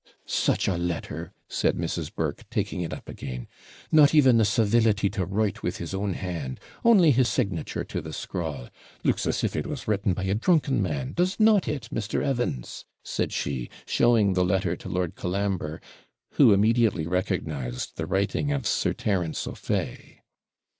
'Such a letter!' said Mrs. Burke, taking it up again. 'Not even the civility to write with his own hand! only his signature to the scrawl looks as if it was written by a drunken man, does not it, Mr. Evans?' said she, showing the letter to Lord Colambre, who immediately recognised the writing of Sir Terence O'Fay.